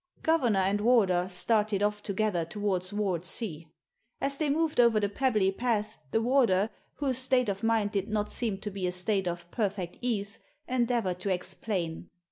Governor and warder started off together towards Ward C. As they moved over the pebbly path the warder, whose state of mind did not seem to be a state of perfect ease, endeavoured to explain.